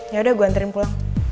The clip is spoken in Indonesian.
ya udah gue anterin pulang